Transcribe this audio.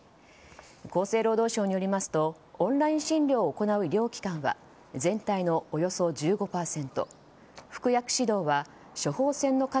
厚生労働省によりますとオンライン診療を行う医療機関は全体のおよそ１５％